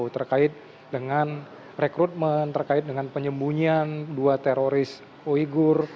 terkait dengan rekrutmen terkait dengan penyembunyian dua teroris uyghur